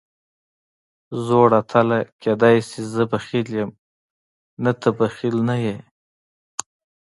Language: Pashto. زوړ اتله، کېدای شي زه بخیل یم، نه ته بخیل نه یې.